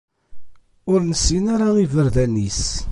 Ur nessin ara iberdan-is.